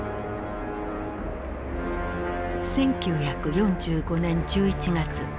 １９４５年１１月。